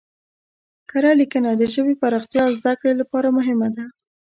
کره لیکنه د ژبې پراختیا او زده کړې لپاره مهمه ده.